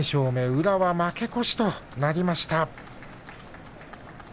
宇良は負け越しとなりました。